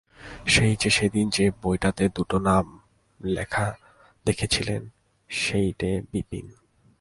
সেই-যে সেদিন যে বইটাতে দুটি নাম লেখা দেখেছিলাম, সেইটে– বিপিন।